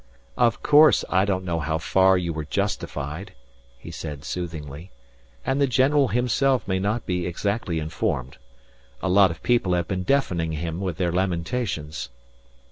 "Of course, I don't know how far you were justified," he said soothingly. "And the general himself may not be exactly informed. A lot of people have been deafening him with their lamentations."